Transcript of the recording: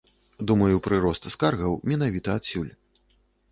Думаю, прырост скаргаў менавіта адсюль.